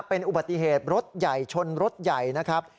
เป็นอุบัติเหตุรถใหญ่ชนรถใหญ่นะครับ